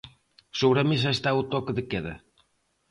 Sobre a mesa está o toque de queda.